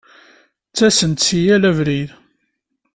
Ttasen-d si yal abrid.